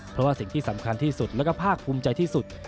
เพราะว่าสิ่งที่สำคัญที่สุดแล้วก็ภาคภูมิใจที่สุด